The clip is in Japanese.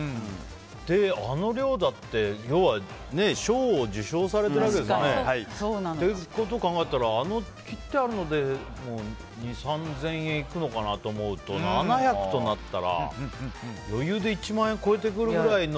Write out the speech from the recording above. あの量だって、要は賞を受賞されてるわけですよね。ということを考えたら切ってあるので２０００円、３０００円いくのかなと思うと７００となったら余裕で１万円超えてくるくらいの。